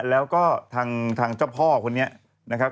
แล้วก็ทางเจ้าพ่อคนนี้นะครับ